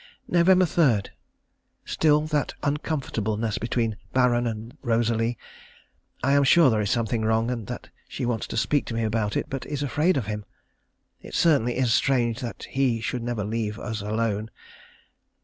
Nov. 3. Still that uncomfortableness between the Baron and Rosalie. I am sure there is something wrong, and that she wants to speak to me about it, but is afraid of him. It certainly is strange that he should never leave us alone.